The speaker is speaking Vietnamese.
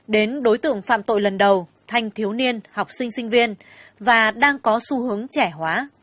đến đối tượng phạm tội lần đầu thanh thiếu niên học sinh sinh viên và đang có xu hướng trẻ hóa